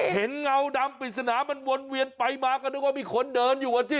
เงาดำปริศนามันวนเวียนไปมาก็นึกว่ามีคนเดินอยู่อ่ะสิ